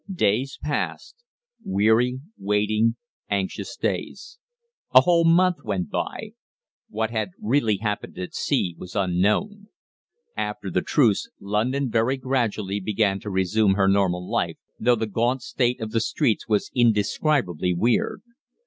Days passed weary, waiting, anxious days. A whole month went by. What had really happened at sea was unknown. After the truce, London very gradually began to resume her normal life, though the gaunt state of the streets was indescribably weird.